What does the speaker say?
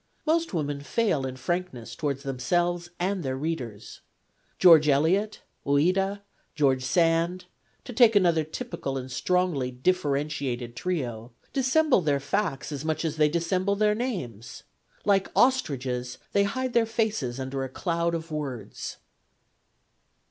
Most women fail in frankness towards themselves and their readers. George Eliot, Ouida, George Sand (to take another typical and strongly differentiated trio) dissemble their facts as much as they dissemble their names. Like ostriches, they hide their faces under a cloud of words.